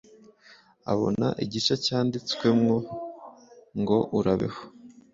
abona igice cyanditswemo ngo urabeho